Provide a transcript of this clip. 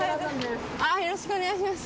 よろしくお願いします。